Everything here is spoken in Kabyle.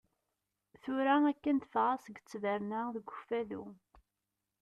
Tura akken d-fɣaɣ seg ttberna deg Ukfadu.